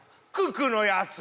九九のやつ